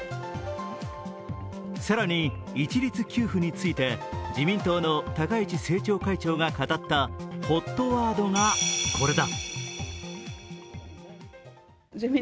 更に一律給付について、自民党の高市政調会長が語ったＨＯＴワードはこれだ。